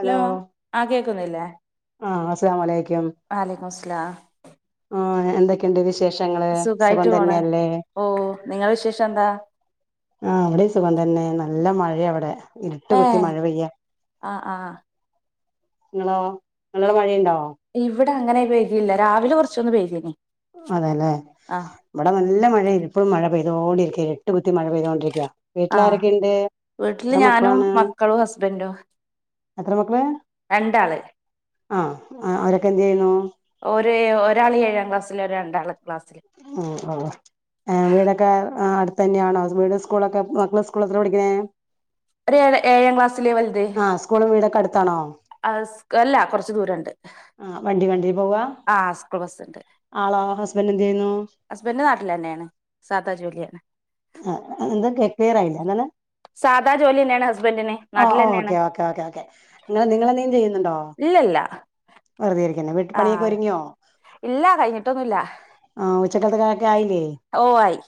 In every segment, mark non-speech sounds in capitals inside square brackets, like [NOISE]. Hello ആഹ് കേക്കുന്നില്ലേ ആഹ് അസ്സലാമു അലൈ വഅലൈക്കും അസ്സലാം ആഹ് എന്തൊക്കെയുണ്ട് വിശേഷങ്ങള് സുഖം പോണ് തന്നെയല്ലേ ഓ നിങ്ങളെ വിശേഷം എന്താ ആഹ് അവ്ടെയും സുഖം തന്നെ നല്ല മഴയ അവ്ടെ ഇരുട്ട് ഏ കുത്തി മഴ പെയ്യ ആ ആ നിങ്ങളോ നിങ്ങള് മഴയുണ്ട ഇവിടെ അങ്ങനെ പൈതില്ല രാവിലെ കുറച്ചൊന്നു പെയ്യും അതെല്ലെ ഇവിടെ നല്ല മഴ ഇരിപ്പോഴും മഴ പെയ്യും തോണ്ടിരിക്ക എട്ടുത്തി മഴ പെയതുകൊണ്ടരിക്കുക ആ വീട്ടിൽ ആരൊക്കെുണ്ട് വീട്ടില് എത്ര ഞാനും മക്കളാണ് മക്കളും ഹസ്ബൻഡും എത്ര മക്കള് രണ്ടാള് ആഹ അവരൊക്കെ എന്ത് ചെയ്യുന്നു ഒരു ഒരാൾ ഏഴാം ക്ലാസ്സൽ ഒരു രണ്ടാം ക്ലാസ്സിൽ ഓ ഓ വീടൊക്കെ അടു തന്നെയണോ മീഡിൽ സ്കൂളൊക്കെ മക്കള സ്കൂള പഠിക്കണേ ഒരു ഏ ഏഴാം ക്ലാസ് ആഹ് സ്കൂളും വീടൊക്കെ അടുത്താണോ ആ അല്ല കൊറച്ച് ദൂരംണ്ട് ആഹ് വണ്ടി വണ്ടി പോവാ ആഹ് സ്കൂൾ ബസ്ണ്ട് ആളോ ഹസ്ബൻഡ് എന്ത് ചെയ്യുന്നു ഹസ്ബൻഡ് നാട്ടിൽ തന്നെയാണ് സാദാ ജോലിയാണ് ആഹ എന്തുംക്ലിയറായില്ല എന്താണ് സാദാ ജോലി തന്നെയാണ് ഹസ്ബൻഡിന് ഓ നാട്ടിലെന്നെയാണ് ഓക്കെ ഓക്കേ ഓക്കെ ഓക്കെ നിങ്ങ നിങ്ങളെന്തെങ്കിലും ചെയ്യുന്നുണ്ടോ ഇല്ലല്ല വെറുതെ ഇരിക്കുന്നു ആ വിട്ടുപ്പണിയൊക്കെ ഒരുങ്ങിയോ ഇല്ല കഴിഞ്ഞിട്ടൊന്നുമില്ല ആ ഉച്ചക്കത്തെ കാര്യ ഓ ആയി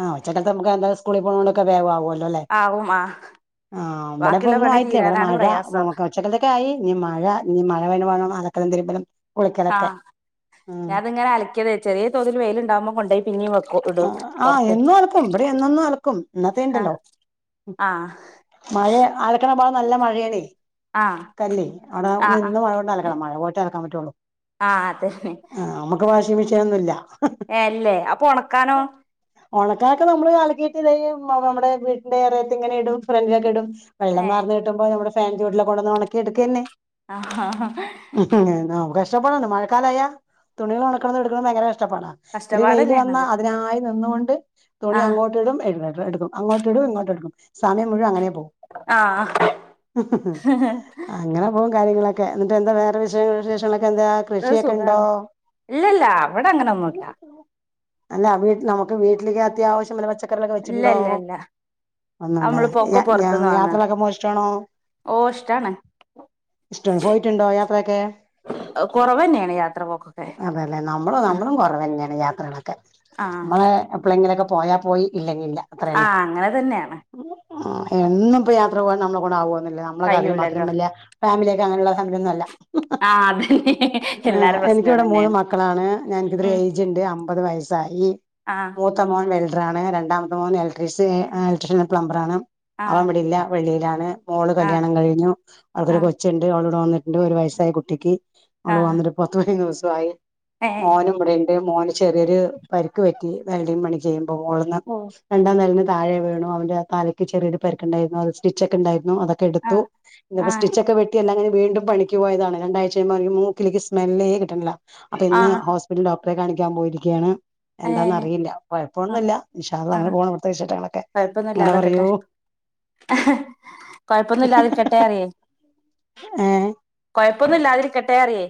ആ ഉച്ചക്കത്തെ നമുക്ക് സ്കൂ ളി പോണൊണ്ടൊ ക്കെ വേഗാവൂലോ ആ ഉം ആ [INAUDIBLE] ആഹ് ഇവിടെ ഇപ്പൊ ബാക്കിയുള്ള ഒന്നും പണി ആയിട്ടില്ല ഇവിടെ തീരാനാണ് മഴ ഉ പ്രയാസം ച്ചക്കത്തൊക്കെ ആയി നീ മഴ നീ മഴ [UNINTELLIGIBLE] അതൊക്കെ കു ന്തരിപ്പടം ആഹ് ഞാനത് ഇങ്ങനെ അലിക്കതെ ചെറിയ തോതിൽ വെയിലുണ്ടാവുമ്പോ കൊണ്ടോയി പിന്നെയും വെക്കും ആ ഇടും ആഹ് പൊറത്ത് എന്നും അലക്കും ബിടെ എന്നൊന്നും അലക്കും ആഹ് ഇന്നത്തേണ്ടല്ലോ ആഹ് മഴഅലക്കണപ്പാ നല്ല മഴയാ ണേ ആഹ് കല്ലി അവിടെ ആഹ് ആഹ് നിന്ന് മഴ കൊണ്ട് അലക്കണം മഴ പോട്ടെ അലക്കാൻ പറ്റുള്ളു ആഹ് അതന്നെ മെഷീൻ ഒന്നുമില്ല ഏ അല്ലേ അപ്പൊ ഉണക്ക ക്കാനോ പണക്കൊക്കെ നമ്മള് അല്കിയിട്ട്ത നമ്മുടെ വീടിന്റെഎറയത്തെ ഇങ്ങനെ ഇടും ഫ്രണ്ട്ലൊക്കെ ഇടും വെള്ളം ഏഹ് വാറ്ന്ന് കിട്ടുമ്പോ നമ്മ ഫാൻ ചോട്ടില കൊണ്ടന്ന് ഉണക്കിടുക്കെന്നെ ഹ ഹാ ഹേ [UNINTELLIGIBLE] മഴക്കാലായ തുണികൾ ഉണക്ക എടുക്കണ ഭയങ്കരഷ്ടപ്പാടാ ഇത്തിരി വെയിൽ വന്ന കഷ്ടപ്പാടന്നെയാണത് അതിനായി നിന്നോണ്ട് തുണി ആഹ് അങ്ങോട്ട് ഇടും എടുതും അങ്ങോട്ട് ഇടും ഇങ്ങോട്ടെടുക്കും സമയം മുഴുവ അങ്ങനെ ആഹ് ഹ് ഹ് ഹ് അങ്ങനെ പോ - കാര്യങ്ങളൊക്കെ ന്നിട്ട് എന്താ വേറെ വിശേഷം ത്ര സുഖാണ് ഇല്ല ഇല്ല അവിടെ അങ്ങനൊന്നുല്ല അല്ല വീട്ട നമുക്ക് വീട്ടിൽ ക്ക് അത്യാവശ്യംള്ളെ പച്ചക്കറിളോക്കെ ഇല്ല വെച്ചിട്ടുണ്ടോ ഇല്ല ഇല്ല ഒന്നല്ലത നമ്മളിപ്പോ ഒക്കെ പൊറത്ത്ന്ന് വാങ്ങാ യാത്രകൊക്കെ പോണ ത് ഇഷ്ടാണോ ഓ ഇഷ്ടാണ് ഇഷ്ടമാണ് പോയിട്ടുണ്ടോ യാത്രയൊക്കെ കൊറവന്നെയാണ് യാത്ര പോക്കൊക്കെ അതല്ലേ നമ്മളും ആഹ് നമ്മളും കുറവെ ന്നെയാണ് യാ- യ ത്രളൊക്കെ ആഹ് നമ്മളെ എപ്പോളെങ്കിലൊക്കെ പോയാപോയി ഇല്ലഞ്ഞില്ല അത്ര തന്നെ ആഹ് അങ്ങനെ തന്നെയാണ് ആ എന്നും പ്പോ യാത്ര പോകാൻ നമ്മളെ കൊണ്ടാവൊന്നില്ല നമ്മൾക്ക അതിന് കഴിയൂലല്ലോ മാത്രം വല്ല ഫാമിലിയൊക്കെ അങ്ങ നെയുള്ള സംഘയൊന്നുമല്ല ആ അതന്നെ ഹ് ഹ് ആ എല്ലാരെ പ്രശ്നം എനിക്കിവിടെ മൂന്ന് അതന്നെയാണ് മക്കളാണ് ഞാൻക്കിത്ര ഉം ഏയ്ജ്ണ്ട് അമ്പ - മുപ്പത് വയസായി ആ മൂത്തമോൻ - ഒരാണ് രണ്ടാമത്തെ മോന് ഇലക്ട്രി ഇലക്ട്രിഷ്യൻ പ്ലംബർ ആണ് ആ അവന് ഇ വിടെയില്ല വെളിയിലാണ് മോള് ആ കല്യാണം കഴിഞ്ഞു ആ അവൾക്കൊരു കൊച്ചുണ്ട് അവള് വ ന്നിട്ടുണ്ട് ഒരു വയസ്സായി കുട്ടിക്ക് ആ അവള് വന്ന്ട്ട് പത്തു പതിനൊന്നു ദിവസമായി ഏ മോനും ഇവടെണ്ട് മോന് ചെറിയൊരു പരിക്ക് പറ്റിവെൽഡിങ് പണി ചെയ്യുമ്പോ മോളിന്ന് ഓ രണ്ടാം നെലന്ന് താഴ വീണു അവന്റെ തലക്ക് ചെറിയൊ രു പരുക്ക് ഉണ്ടായിരുന്നു അത് സ്റ്റിച്ചൊ ക്കെ ഉണ്ടായിരുന്നു അതൊക്കെ ആ എടുത്തു ആ സ്റ്റിച്ചൊക്കെ വെട്ടി എല്ലാം കഴിഞ് വീണ്ടും പണിക്ക് പോയതാണ് രണ്ടാഴ്ചെയ്യുമ്പോ അവനിക് മൂക്കിൽ ക്ക് സ്മെല്ലേ കിട്ട്ണില്ല അപ്പൊ ആ ഇന്ന് ഹോസ്പിറ്റൽ ഡോ - ഡോക്ടറെ കാണിക്കാൻ പോയിരിക്കുകയാണ് ഏ എന്താന്ന്അറിയില്ല ആ കുഴപ്പമൊന്നും ഇല്ല ഇന്ഷാ അല്ലാഹ് ആ അങ്ങനെ പോണ് ഇവിടത്തെ വിശേഷണങ്ങളിക്ക് ചേട്ടങ്ങളൊക്കെ അങ്ങനെ പറയൂ ഹ് കൊഴപ്പൊന്നുംല്ലാതിരിക്കട്ടെ റിയ ഏ ഴപ്പൊന്നുല്ലാതിരിക്കട്ടെ അറിയേ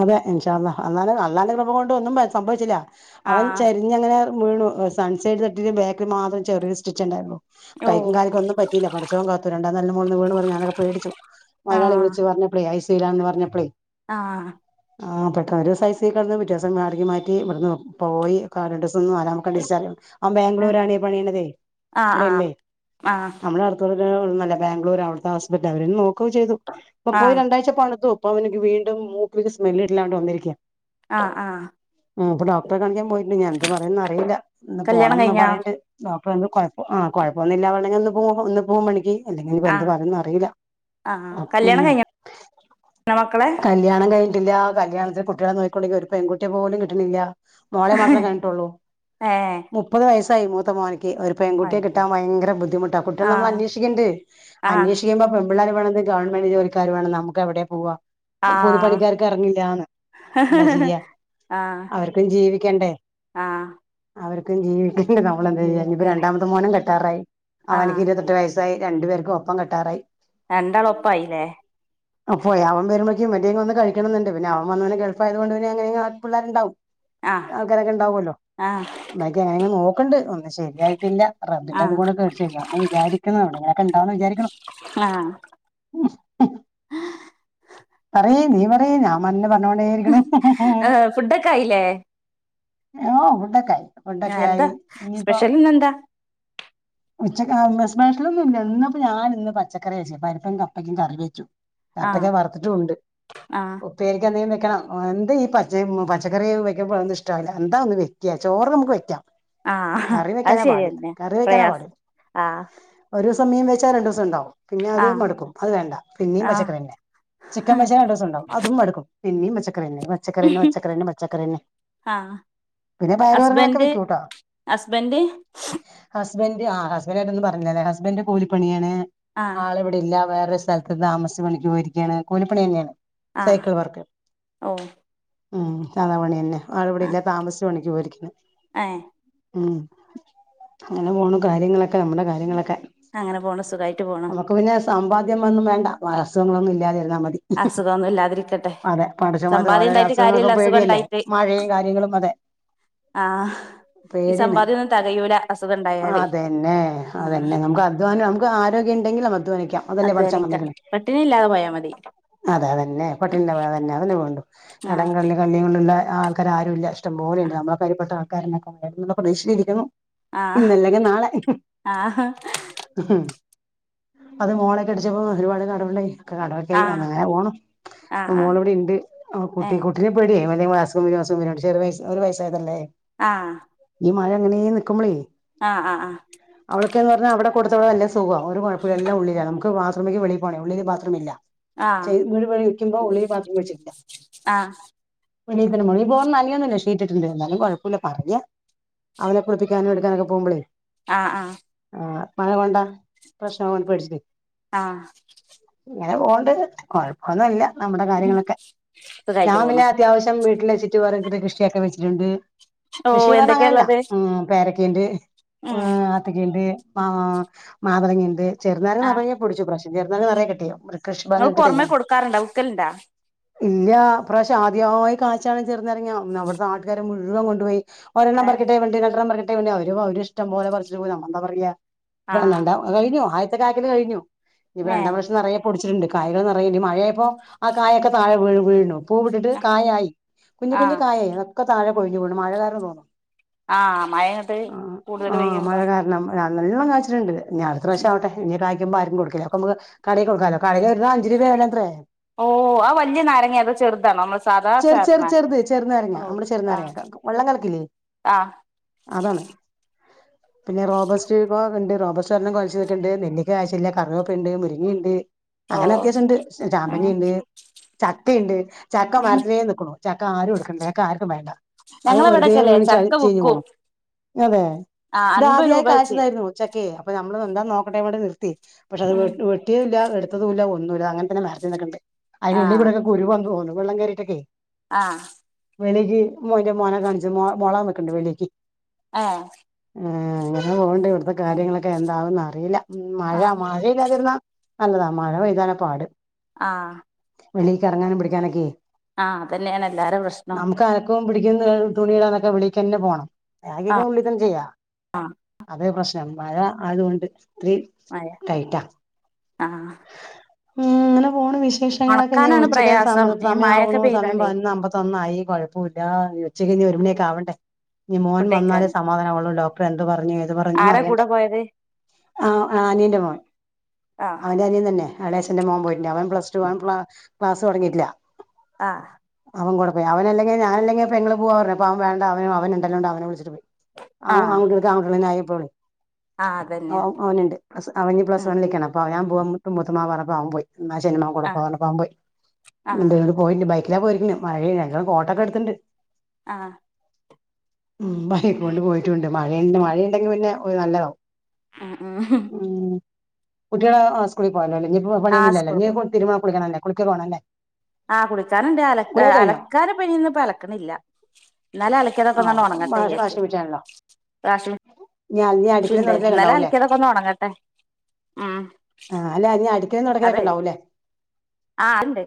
അതെ ഇൻഷാ അല്ലാഹ് അല്ലാന്റെ ക്ര പ കൊണ്ട് ഒന്നും സംഭവിച്ചില്ല ആ അവൻ ചരിഞ്ഞങ്ങനെ വീണു സൺസൈഡ് തട്ടിട്ട് ബേക്കി മാത്രം ചെറിയ സ്റ്റിച്ചിംഗ് ഉണ്ടായിന്നു ഓ കൈക്കും കാലിക്കും ഒന്നും പറ്റില്ല പടച്ചോൻ കാത്തു രണ്ടാം നെലടെ മോളിന്ന് വീണ് പറഞ്ഞ് ഞാനൊക്കെ പേടിച്ചു ആ മൊതലാളി വിളിച് പറഞ്ഞപ്പൊ ശീലാന്ന് പറഞ്ഞപ്പളേ ആഹ് ആ പെട്ടൊ ഒരു ദിവസം ഐസി കിടന്ന് പിറ്റേസം വാർവിക്ക് മാറ്റി ഇവിടുന്ന് പോയി കാലണ്ട് ന്നല്ല നമക്ക്റിയാം അവ ഏ, ബാംഗ്ലൂരാണ് ഈ പണിയണതേ ആ ആ ഇവിടെയല്ലേ ആ നമ്മള അടുത്തോടെ ന്നല്ല ബാംഗ്ലൂർ അവിടുത്തെ ഹസ്ബൻന് അവരും നോക്കയും ചെയ്തു ഇപ്പൊ ആ പോയി രണ്ടാഴ്ച പണുത്തു. അപ്പ അവനിക്ക് വീണ്ടും മൂക്കക്ക് സ്മെല്ല് ഇില്ലാണ്ട് ഇരിക്ക് ആഹ് ആഹ് ആ ഇപ്പൊ ഡോക്ടറെ കാണിക്കാൻ പോയിട്ടു ഞാൻ എന്ത് പറയന്ന് അറിയില്ല ഇന്ന് കല്യാണം പോണംന്ന് കഴിഞ്ഞാ പറയണ്ട് അപ്പന്ന് കുഴപ്പ കൊഴപ്പൊന്നില്ല വള്ളെ ഒന്ന് പോ ഒന്ന് പോകും പണിക്ക് അല്ലെങ്കിൽനി ആ എന്ത് പറയന്നും അറിയില്ല ആ ഉം കല്യാണം - - കഴിഞ്ഞോ മക്കളെ കല്യാണം കഴിഞ്ഞിട്ടില്ല കല്യാണത്തിൽ കുട്ടികളെ നോക്കിക്കുണ്ടെങ്കിൽ ഒരു പെൺകുട്ടിയെ പോലും കിട്ടണില്ല. മോളെ മാത്രേ കഴിഞ്ഞിട്ടുള്ളൂ ഏ മുപ്പത് വയസ്സായി മൂത്ത മോന് ഒരു പെൺകുട്ടിയെ അയ്യോ കിട്ടാ ഭയങ്കര ബുദ്ധിമുട്ട് കുട്ടികൾ ആ നമ്മൾ അന്വേഷിക്കേണ്ട് ആ അന്വേഷിക്കുമ്പോ പിള്ളേർ വേണ ഗവൺമെന്റ് ജോലിക്കാർ വേണം നമുക്കെവിടെ പോവാ. ആ കൂലിപ്പണിക്കാർ എന്താ ചെയ്യ ആഹ് അവർക്കും ജീവിക്കണ്ടേ? ആഹ് അവർക്കും ജീവിക്കണ്ട് നമ്മളെന്താ ചെയ് ജീവിക്കന്നെ രണ്ടാമത്തെ മോനും കെട്ടറായി അവനക്ക് ആഹ് ഇരുപത്തെട്ട് വയസ് - - രണ്ട് പേർക്കും ഒപ്പം കെട്ടാറായി രണ്ടാളും ഒപ്പായില്ലേ അപ്പ അവൻ വരു ന്ന് കഴിക്കണ്ട്ന്നെ അവ വെ ഗൾഫായത് കൊണ്ട് അങ്ങനെ പിള്ളേരുണ്ടാവും. ആഹ് ആൾകാരൊക്കെ ഇണ്ടാവല്ലോ ആഹ് മക്കെ നോക്കണ്ട് ശരിയായിട്ടില്ല റബിന്റെ അത് ആഹ് കൂടെ കഴിച്ചില്ലന്ന് വിചാരിക്കുന്ന നിങ്ങനൊക്കെ ഉണ്ടാവന്ന് വിചാരിക്കണ ഉ [INAUDIBLE] പറയ് നീ പറയ് ഞാൻ മന്നെ പറ - - ഞ്ഞോടരിക്കണ [UNINTELLIGIBLE] ഏഹ് ഫുഡൊക്കെ ആയില്ലേ ഫുഡൊക്കെ ആയി ഫുഡൊക്കെ എന്താ ആയി ഇനിയിപ്പോ സ്പെഷ്യൽ ഇന്നെന്താ പച്ച മെ സ്പെഷലൊന്നും ഇല്ല ഇന്നപ്പോ ഞാന് ഇന്ന് പച്ചക്കറി വെച്ച് പരിപ്പം കപ്പയ്ക്കും കറി വെച്ചു. ആഹ് കപ്പക്കാ വറുത്തിട്ടും ഉണ്ട് ആഹ് ഉപ്പായിരിക്കാന്ത വയ്ക്കണം എന്താ ഈ പച്ച പച്ചക്കറി വയ്ക്കുമ്പഴൊന്നും ഇഷ്ടവല്ല എന്താ ഒന്ന് വയ്ക്കുക ചോറ് നമുക്ക് വയ്ക്കാം. ആഹ് കറി അത് വെക്കാന പാട് ശരിയന്നെ കറി വെക്കാന പാട് പ്രയാസം ആഹ് ഒരു സമയം വച്ചാ രണ്ട് ദിവസം ഉണ്ടാവും. പിന്നെ അത് ആഹ് മടുക്കും അത് വേണ്ട പിന്നെയ ആഹ് പച്ചക്കറിെ ചിക്കൻ വെച്ച രണ്ടൂസം ഉണ്ടാവും അതും മടുക്കും. പിന്നീ പച്ചക്കറിന്നേ പച്ചക്കറിന്നെ പച്ചക്കറിന്നെ പച്ചകറിന്നെ ആഹ് പി - പിന്നെ പയർവർ കങ്ങളൊക്കെ വെക്കൂട്ടാ അത് [UNINTELLIGIBLE] ഹസ്ബൻറ് ആ ഹസ്ബന്റ് ആയിട്ട് ഒന്നുംപറഞ്ഞല്ലേ ഹസ്ബൻ്റ്ന് കൂിപ്പണിയാണ് ആഹ് ആൾ ഇവിടെല്ല. വേറെ സ്ഥലത്ത് താമസിച്ച് പണി പോയിരിക്കുകാണ് കൂലിപ്പണി തന്നെയാണ്. ആഹ് സൈക്കിൾ വർക്ക് ഓ ഉം സാതാ പണിയന്നെ ആള് ഇവിടെ ആഹ് ഇല്ല താമസിച്ച് പണിക്ക് പോയിരിക്കാണ്. ഏഹ് ഉം അങ്ങനെ പോന്നു കാര്യങ്ങളൊക്കെ നമ്മടെ കാര്യങ്ങളൊക്കെ. അങ്ങനെ പോണ് സുഖമായിട്ട് പോണ് ആദ്യമൊന്നും വേണ്ട അസുഖങ്ങളൊന്നും ഇല്ലാതിരുന്നാ മതി. അസുഖൊന്നും ഇല്ലാതിരിക്കട്ടെ അതെ പണ്ട്ച്ചമാത് സമ്പാദ്യം ഓരോര ഇണ്ടായിട്ട് അസുഖങ്ങളൊക്കെ കാര്യല്ല അസുഖം പേടിയല്ലേ ഇണ്ടായിട്ട് മഴയും കാര്യങ്ങളും അതെ ആഹ് ഈ പേടിയാണ് സമ്പാദ്യൊന്നും തെകയൂല അസുഖം ഉണ്ടായാല് അതന്നെ ആഹ് അതന്നെ നമുക്ക് അധ്വാനം നമുക്ക് ആരോഗ്യ ണ്ടങ്കില് അധ്വാനിക്കാ അതല്ലെ പടചോൻ അധ്വാനിക്ക പറഞ്ഞേക്ണെ പട്ടിണി ഇല്ലാതെ പോയാ മതി അതെ അതെ പട്ടിണില്ല [UNINTELLIGIBLE] അതെന്യാ വേണ്ടു കടം ആഹ് കള്ളി കല്ലി [UNINTELLIGIBLE] ഉള്ള ആൾക്കാരുംഇല്ല ഇഷ്ടംപോലെയ്ണ്ട്. നമ്മള കരുയപ്പെട്ട ആൾക്കാരെക്കെക്കെ ഭീഷിരിക്കുന്നു. ആഹ് ഇന്നല്ലങ്കി നാളെ. ആഹ് അത് മോളൊ കെട്ടിച്ചപ്പോ ഒരുപാട് കടവുണ്ടായി കടവൊക്കായി ആഹ് അങ്ങനെ പോണു ആഹ് ഇപ്പം ആഹ് മോളിവിടെ ഇണ്ട് ഏ കുട്ടി ഏഹ് കുട്ടിനെ പേടി [UNINTELLIGIBLE] ഒരു വയസായതല്ലേ ആ മഴ അങ്ങനെയ നിക്കുമ്പളേ അവളൊക്കന്ന് പറഞ്ഞാ അവിടെ കൊടുത്തോളല്ല ത്തു പോവാ ഒരു കുഴപ്പല്ല എല്ലാം ഉളളിലാ നമുക്ക് ബാത്റൂമേക്ക് വെളി പോണേ ഉള്ളില് ബാത്റൂം ഇല്ല. ആഹ് [UNINTELLIGIBLE] ഇപ്പൊ ഉളളില് ബാത്റൂം വെച്ചിട്ടില്ല ആഹ് വെളീത്തന്നെ മോളിപ്പോ നനയൊന്നുല്ല ഷീറ്റ്ട്ടിട്ടുണ്ട് എന്നാലും കുഴപ്പമില്ല പറയാ അവനെ കുളിപ്പിക്കാനും എടുക്കാനൊക്കെ പോകുമ്പോളേ ആ ആ ആ മഴ കൊണ്ടാ പ്രശ്നാകും പേടിച്ചിട്ട് ആ ഇങ്ങനെ പോകണ്ട് കുഴപ്പൊന്നും ഇല്ല നമ്മുടെ കാര്യങ്ങളൊക്കെ സുഖായിട്ട് ഞാൻ പോണു പിന്നെ അത്യാവശ്യം വീട് [UNINTELLIGIBLE] കൃഷിയൊക്കെ വെച്ചിട്ടുണ്ട്. ഓഹ് കൃഷിന്ന് പറഞ്ഞ എന്തൊക്കെയാ അങ്ങനല്ല ഉള്ളത് പേര ക്കണ്ട് ഉം ആത്തക്കയിണ്ട് മാ മാതളങ്ങ ഇണ്ട് ചെറുനാരങ്ങ നിറയെ പിടിച്ചു ഇപ്രാവിശ്യം ചെറുനാരങ്ങ നിറയെ കിട്ടി നിങ്ങള് പുറമെ കൊടുക്കാറുണ്ടാ വിക്കലുണ്ടാ ഇല്ല ഇപ്രാവിശ്യം ആദ്യമായി കായ്ച്ചാണത് ചെറുനാരങ്ങ അവിടുത്തെ നാട്ടുകാരെ മുഴുവൻ കൊണ്ട് പോയി ഒരെണ്ണം ഏഹ് പറിക്കട്ടെ രണ്ടെട്ടണം പറക്കട്ടെ അവര് അവര് ഇഷ്ടം പോലെ പറിച്ചിട്ടു പോയി നമ്മ എന്താ പറയാ ആഹ് കഴിഞ്ഞു ആദ്യത്തെ കായ്കിൽ കഴിഞ്ഞു ഇനിപ്പോ രണ്ടാം ഏഹ് വർഷം നിറയ പൊടിച്ചിട്ടുണ്ട് കായകൾ നിറയെ ഇനി മഴയായപ്പോ ആ കായൊക്കെ താഴെ വീണു വീണു പൂവിട്ടിട്ട് കായായി കുഞ്ഞ് കുഞ്ഞ് ആഹ് കായായി അതൊക്കെ താഴെ കൊഴിഞ്ഞുവീണു മഴ കാരണാ തോന്നുണു ആഹ് മഴ അങ്ങട്ട് കൂടുതൽ പെയ്യുമ്പോ അ നല്ലണം കായിച്ചിട്ടുണ്ട് ഇനി അടുത്ത പ്രശം ആവട്ടെ ഇനി കായക്കുമ്പം ആർക്കും കൊടുക്കില്ല അപ്പോ നമക്ക് കടയി കൊടുക്കാലോ കടയിൽ ഒരെണ്ണം അഞ്ച് രൂപ വേലത്രേ ഓ ആ വല്യ നാരങ്ങയാ അത് ചെറുതാണോ അ ചെറ് ചെറ് ചെറ്ത് ചെർ നാരങ്ങാ നമ്മള് ചെർ ആഹ് നാരങ്ങാ വെള്ളം കലക്കില്ലേ ആഹ് അതാണ് പിന്നെ റോബസ്റ്റ് പ്പോ ണ്ട് റോബോസ്റ്റ് ല്ലാം കൊലച്ചു നിക്ക്ണ്ട് നെല്ലിക്ക കാഴിച്ചില്ല കറിവപ്പ്ണ്ട് മുരിങ്ങണ്ട് ഓ അങ്ങനെ അത്യാഷണ്ട് ഉം ചാമ്പങ്ങണ്ട് ചക്ക ഇണ്ട് ചക്ക മരത്തിനേ നിക്ക്ണു ചക്ക ആരും എടുക്കണ്ടാ ചക്ക ആർക്കും വേണ്ട അത് വെറ്തെ ഞങ്ങളവിടൊക്കെല്ലേ വീണ് ചക്ക ചദഞ് ചീഞ്ഞ് വിക്കും പോണം അതെ ആ ഇത് അൻപത് ആദ്യായി രൂപ വെച്ച് കാഴ്ചതായിരുന്നു ച്ചക്കെ അപ്പൊ നമ്മള് എന്താന്ന് നോക്കട്ടേന്ന് നി പക്ഷെ അത് ഉം വെട്ട് വെട്ടിയതുല്ല എടുത്തതുല്ല ഒന്നുല്ല അദങ്ങനെ തന്നെ മരത്തിൽ നിക്ക്ണ്ട് ആ അയിനുള്ള്‌ക്കുടെക്കെ കുരു വന്നു തോന്നുന്നു വെള്ളം കേറിട്ടൊക്കെ ആഹ് വെളിക്ക് ഒരു മോനേ കാണിച്ച് മോളാ [UNINTELLIGIBLE] വെളിക്ക് ആഹ് എ ങ്ങനെ പോവ്ണ്ട് ഇവിടത്തെ കാര്യങ്ങളൊക്കെ എന്താവുന്നറിയില്ല മഴ ആ മഴയില്ലാതിര്ന്നാ നല്ലതാ മഴ പൈതാലാ പാട് ആഹ് വെളീക്ക് എറങ്ങാനും പിടിക്കാനൊക്കെ ആഹ് അതന്നെണ് എല്ലാരെ പ്രശ്നം ടിക്കുന്ന തുണിയിടാനൊക്കെ വേളിക്കന്നേ പോണം ആ ബാക്കിയോക്കെ ഉള്ളി തന്നെ ചെയ്യ ആ അതേ പ്രശ്ന മഴ അതുകൊണ്ട് ഇത്തിരി മഴ ട്ടയ്റ്റാ ആ ഉം ങ്ങനെ പോണ് വിശേഷങ്ങളൊക്കെ ഞ്ഞി ഒണക്കാനാണ് ഉച്ചക്ക് പ്രയാസം സമ ഈ മഴൊക്കെ സമയമാവണു സമയം പെയ്താലേ പതിനൊന്നേ അമ്പത്ത ഒന്നായി കുഴപ്പോല്ല ഉച്ച കഴിഞ്ഞ് ഒരു മണിയൊക്ക ആാവണ്ടേ ഞ്ഞി മോൻ ഫുഡ് വന്നാലേ കഴിക്കാന് സമാധാന വോള്ളു ഡോക്ടർ എന്തു പറഞ്ഞു ഏത് പറഞ്ഞുന്ന് ആരാ അറിയണ്ടേ കൂടെ പോയത് ആ ആ അനിയന്റെ മോൻ ആ അവന്റെ അനിയ തന്നെ ആളേശന്റെ മോൻ പോയിട്ട്ണ്ട് അവ പ്ലസ് ടു വൺല ക്ലാസ് തോ ടങ്ങിട്ടില്ല ആ അവം കൂടെ പോയി അവനല്ലെങ്കി ഞാനല്ലെങ്കിപ്പെങ്ങള് പോവാ പറഞ് അപ്പോ അവ വെണ്ട അവനണ്ടല്ലോ അവനെ വിളിച്ചി ട്ട് പോയി അഊ ആ ആൺകുട്ട്യാൾക് അൺകുട്ട്യാളന്നായി ഇപ്പോള്. ആ ഔ അതന്നെ ഔ അവ്നുണ്ട്. പ്ലസ് അവന് പ്ലസ് ഉം വണ്ണിലേക്കാണ്. അപ്പൊ അവനാ പോവുമ്പത്ത് മുത്തുമ്മാ പറപ്പ അവൻ പോയി. എന്നാ ശെരിന്നാവങ്കൂടെ ആ പോവാർന്നപ്പോ അവൻ പോയി. ആ ൻ്റേൽ ഒരു പോയിന്റ് ബൈ ക്കിലാ പോയിരിക്ണ് മഴേണ് രണ്ടാൾ കോട്ടൊക്കെടുത്തിണ്ട്. ആ മ് ബൈക്കോണ്ട് പോയിട്ടുണ്ട് മഴ മഴ ഇണ്ടെങ്കി പിന്നെ ഓല് നല്ലതാവും. ആ ആഹ് കുട്ട്യാൾ അ സ്കൂളിൽ പോയാലോല്ലേ, ഞ്ഞ് പോ ആ പണിയൊന്നല്ലലേ, സ്കൂള് ഞ്ഞ്തിരുമാ കുളിക്കണല്ലേ കുളിക്കൊക്കെ വാണം ല്ലേ? ആഹ് കുളിച്ചാന്ണ്ട്, അല അലക്കാനിപ്പോ നിയിന്ന്പ്പോ അലക്കണില്ല. ഇന്നലെ അലക്കിയതൊക്കെ ഓ ഒന്നട് ഒണങ് വാഷ് വാഷിമിഷാണല്ലോ. വാശി ഷുണ്ട് തുടക്കലൊക്കെ ഇന്നലെ ഉണ്ടാവൂല്ലേ അലക്കിയതൊക്കെ ഒന്നൊണങ്ങട്ടെ. ആ അല്ല ഇനി അടിക്കലും തൊടക്കലൊക്കെ അതെ ഉണ്ടാവുല്ലേ? ആ അണ്ട്.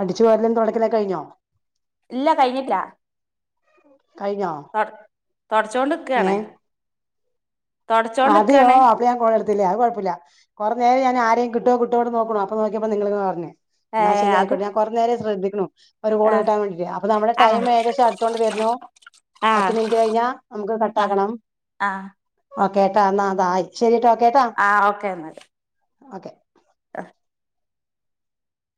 അടിച്ചു വാരലും തൊടക്കലെക്കെ കഴിഞ്ഞോ? ഇല്ല കഴിഞ്ഞിട്ല്ല. കഴിഞ്ഞോ തൊട് തൊട്ച്ചോണ്ട്ക്കാണ്. ഏഹ് അതെയോ അപ്പൊ ഞാൻ കോളെടുത്തില്ലേ അ കൊഴപ്പല്ല, കൊറ് നേരായി ഞാൻ ആര് കിട്ടോ കിട്ടോ ടെ നോക്ക്ണു അപ്പ നോക്കിയപ്പോ നിങ്ങള്ങ്ങ് പറഞ്ഞെ, ഏ ന്നാ ശരി അത് ആയിക്കോെട്ടെ ഞൻ കുറേ നേരായി ശ്രദ്ധി ഒരു ഗോൾ ആ കിട്ടാൻ വേണ്ടീട്ട് അപ്പൊ നമ്മളെ ആ ടൈം ഏദേശം അടുത്തോണ്ട് വരുന്നു. ആ പത്ത് മിനിറ്റ് കഴിഞ്ഞാ നമുക്ക് കട്ടാക്കണം. ആ ഓക്കെ ട്ടാ ന്നാ അതായി ശരി ട്ടോ. ആ ഓക്കെ എന്നാല്. ഓക്കെ ആഹ്.